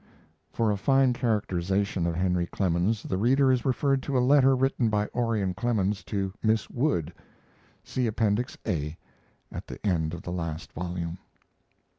[For a fine characterization of Henry Clemens the reader is referred to a letter written by Orion Clemens to Miss Wood. See Appendix A, at the end of the last volume.